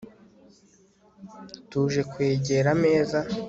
tuje kwegera ameza